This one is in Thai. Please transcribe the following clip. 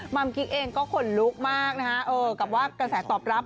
มกิ๊กเองก็ขนลุกมากนะฮะกับว่ากระแสตอบรับ